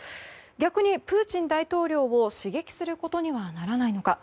逆にプーチン大統領を刺激することにはならないのか。